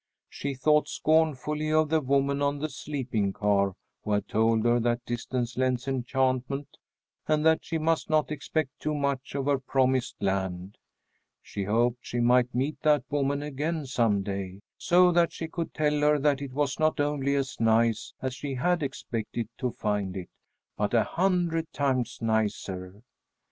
She thought scornfully of the woman on the sleeping car who had told her that distance lends enchantment, and that she must not expect too much of her promised land. She hoped she might meet that woman again some day, so that she could tell her that it was not only as nice as she had expected to find it, but a hundred times nicer.